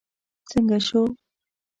څنګه شو.